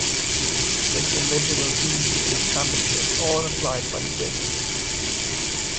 Six eligible teams from the Championship all applied for the vacancy.